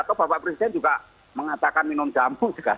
atau bapak presiden juga mengatakan minum jamu juga